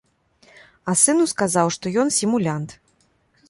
А сыну сказаў, што ён сімулянт.